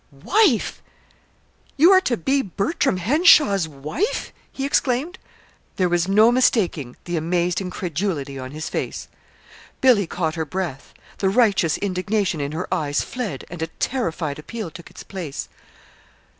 "Wife! You are to be Bertram Henshaw's wife!" he exclaimed. There was no mistaking the amazed incredulity on his face. Billy caught her breath. The righteous indignation in her eyes fled, and a terrified appeal took its place.